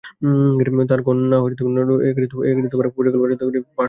তার কন্যা মরিয়ম নওয়াজ প্রধানমন্ত্রীর যুব পরিকল্পনার প্রাক্তন চেয়ারপার্সন।